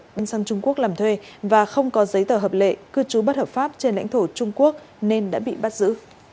ngân sang trung quốc làm thuê và không có giấy tờ hợp lệ cư trú bất hợp pháp trên lãnh thổ trung quốc nên đã bị bắt giữ